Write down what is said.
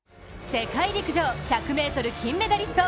世界陸上１００ｍ金メダリスト